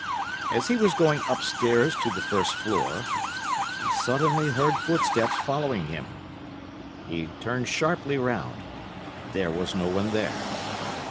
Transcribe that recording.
As he was going upstairs to the first floor, he suddenly heard footsteps following him. He turned sharply round; there was no one there.